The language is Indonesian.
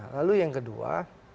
lalu yang kedua